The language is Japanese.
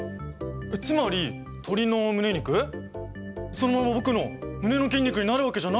つまり鶏の胸肉そのまま僕の胸の筋肉になるわけじゃないと。